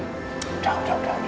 udah udah udah